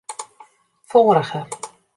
Foarige.